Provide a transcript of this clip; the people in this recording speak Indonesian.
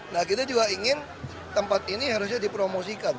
nah kita juga ingin tempat ini harusnya dipromosikan